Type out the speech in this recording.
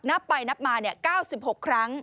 นับไปนับมา๙๖ครั้ง